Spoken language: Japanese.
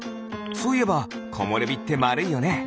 そういえばこもれびってまるいよね。